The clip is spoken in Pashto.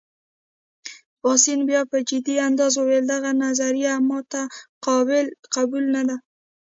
پاسیني بیا په جدي انداز وویل: دغه نظریه ما ته قابل قبول نه ده.